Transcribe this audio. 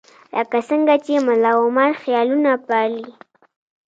لکه څنګه چې ملاعمر خیالونه پالي.